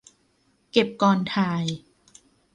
เก็บก่อนถ่าย